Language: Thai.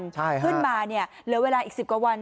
ขึ้นมาเนี่ยเหลือเวลาอีก๑๐กว่าวัน